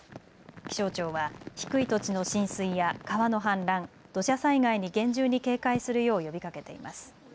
気象庁は低い土地の浸水や川の氾濫、土砂災害に厳重に警戒するよう呼びかけています。